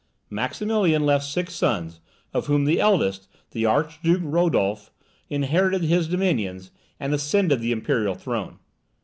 Maximilian left six sons, of whom the eldest, the Archduke Rodolph, inherited his dominions, and ascended the imperial throne.